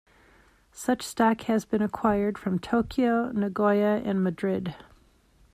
Such stock has been acquired from Tokyo, Nagoya, and Madrid.